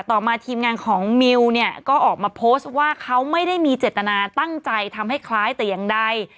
ต่อมาทีมงานของมิวเนี่ยก็ออกมาโพสต์ว่าเขาไม่ได้มีเจตนาตั้งใจทำให้คล้ายแต่อย่างใด